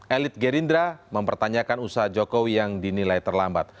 elit gerindra mempertanyakan usaha jokowi yang dinilai terlambat